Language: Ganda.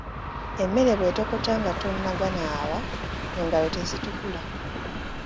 Emmere bw’etokota nga tonnaganaaba engalo tezitukula.